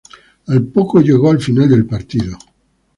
Al poco llegó el final del partido.